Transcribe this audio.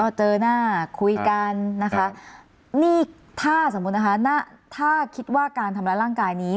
เจอหน้าคุยกันนะคะนี่ถ้าสมมุตินะคะถ้าคิดว่าการทำร้ายร่างกายนี้